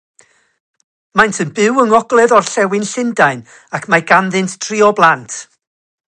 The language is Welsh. Maent yn byw yng ngogledd-orllewin Llundain ac mae ganddynt dri o blant.